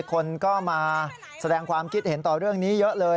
คนก็มาแสดงความคิดเห็นต่อเรื่องนี้เยอะเลย